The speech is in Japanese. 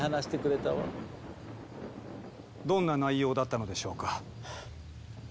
どんな内容だったのでしょうか？